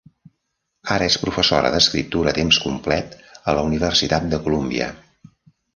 Ara és professora d'escriptura a temps complet a la Universitat de Columbia.